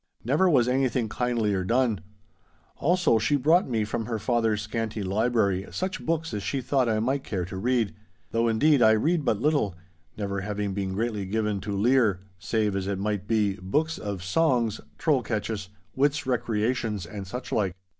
Never was anything kindlier done. Also, she brought me from her father's scanty library such books as she thought I might care to read; though, indeed, I read but little, never having been greatly given to lear—save, as it might be, books of songs, troll catches, wits' recreations and such like.